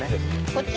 こっち？